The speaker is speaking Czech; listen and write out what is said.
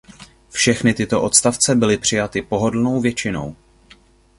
Všechny tyto odstavce byly přijaty pohodlnou většinou.